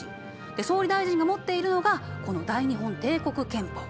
総理大臣が持っているのがこの大日本帝国憲法。